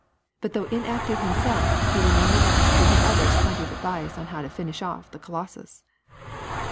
But, though inactive himself, he will none the less give the others plenty of advice on how to finish off the colossus.